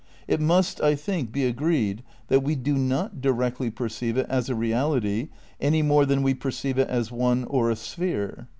It must, I think, be agreed that we do not directly perceive it as a reality any more than we perceive it as one or a sphere.